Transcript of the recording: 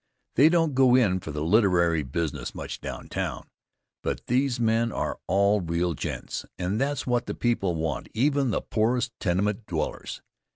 They don't go in for literary business much downtown, but these men are all real gents, and that's what the people want even the poorest tenement dwellers.